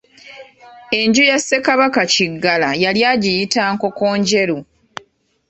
Enju ya Ssekabaka Kiggala yali agiyita Nkokonjeru.